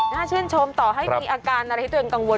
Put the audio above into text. ชื่นชมต่อให้มีอาการอะไรที่ตัวเองกังวล